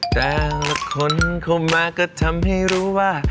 แต่คนเข้ามาก็ทำให้รู้ว่า